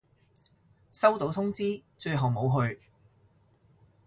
收到通知，最後冇去